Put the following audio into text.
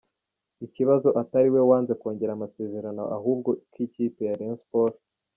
ikibazo atari we wanze kongera amasezerano ahubwo ko ikipe ya Rayon Sports